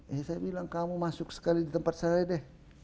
eh saya bilang kamu masuk sekali di tempat saya deh